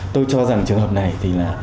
tôi cho rằng trường hợp này thì là